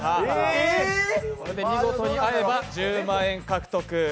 これで見事に合えば１０万円獲得。